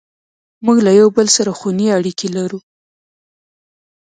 موږ له یو بل سره خوني اړیکې لرو.